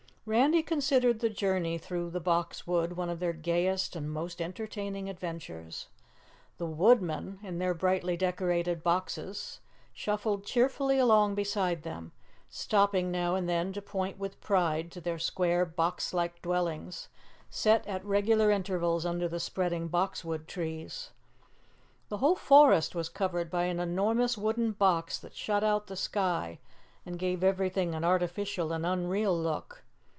Randy considered the journey through the Box Wood one of their gayest and most entertaining adventures. The woodmen, in their brightly decorated boxes, shuffled cheerfully along beside them, stopping now and then to point with pride to their square box like dwellings set at regular intervals under the spreading boxwood trees. The whole forest was covered by an enormous wooden box that shut out the sky and gave everything an artificial and unreal look.